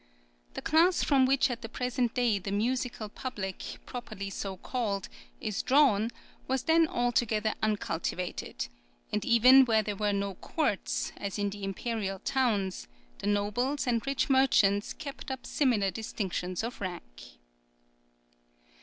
The class from which at the present day the musical public, properly so called, is drawn was then altogether uncultivated; and even where there were no courts, as in the imperial towns, the nobles and rich merchants kept up similar distinctions of rank.